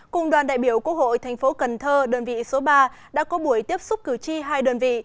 cùng đoàn đại biểu quốc hội thành phố cần thơ đơn vị số ba đã có buổi tiếp xúc cử tri hai đơn vị